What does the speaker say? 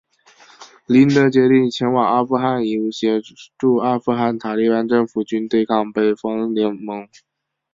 林德决定前往阿富汗以协助阿富汗塔利班政府军对抗北方联盟。